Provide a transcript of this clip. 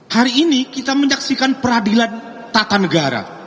hari ini kita menyaksikan peradilan tata negara